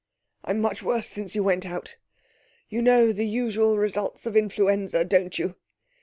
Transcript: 'I'm much worse since you went out. You know the usual results of influenza, don't you?